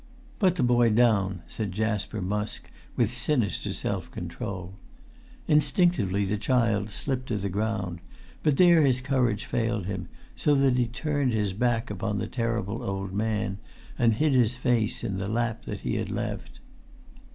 "Put the boy down," said Jasper Musk, with sinister self control. Instinctively the child slipped to the ground; but there his courage failed him, so that he turned his back upon the terrible old man, and hid his face in the lap that he had left.